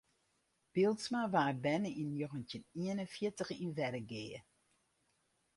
Bylsma waard berne yn njoggentjin ien en fjirtich yn Wergea.